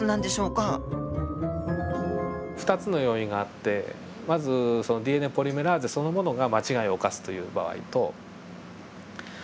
２つの要因があってまずそのＤＮＡポリメラーゼそのものが間違いを犯すというような場合と外部要因ですね。